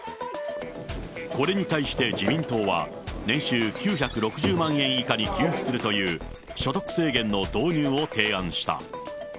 これに対して自民党は、年収９６０万円以下に給付するという、所得制限の導入を提案した。